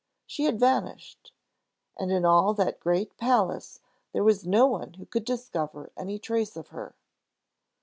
She had vanished; and in all that great palace there was no one who could discover any trace of her.